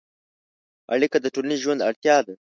اړیکه د ټولنیز ژوند اړتیا ده.